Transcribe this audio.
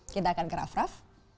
kita akan ke raff raff